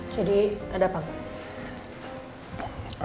jadi ada apa